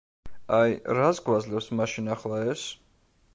აი, რას გვაძლევს მაშინ ახლა ეს?